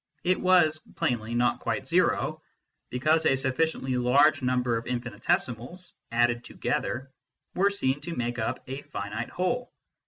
It was plainly not quite zero, because a sufficiently large number of infinitesimals, added together, were seen to make up a finite whole.